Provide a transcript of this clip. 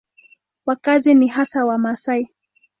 Wakazi ni hasa Wamasai.